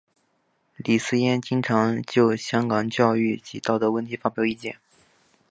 李偲嫣经常就香港教育及道德问题发表意见。